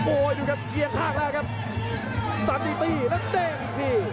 โอ้ยดูครับเกียร์คลากแล้วครับสามจีตีแล้วเต้งพี่